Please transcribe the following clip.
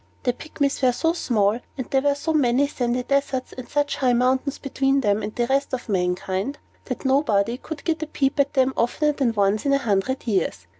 The Pygmies were so small, and there were so many sandy deserts and such high mountains between them and the rest of mankind, that nobody could get a peep at them oftener than once in a hundred years.